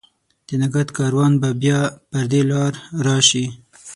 د نګهت کاروان به بیا پر دې لار، راشي